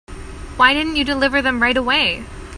Why didn't you deliver them right away?